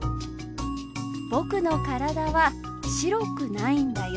僕の体は白くないんだよ。